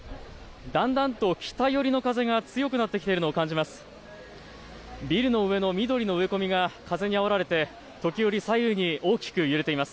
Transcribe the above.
だんだんと北寄りの風が強くなってきているのを感じます。